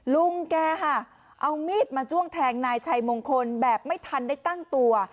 ลุงแกค่ะเอามีดมาจ้วงแทงนายชัยมงคลแบบไม่ทันได้ตั้งตัว